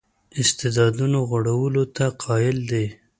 استعدادونو غوړولو ته قایل دی.